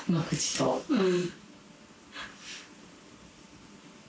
うん。